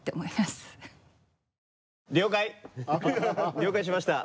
了解しました！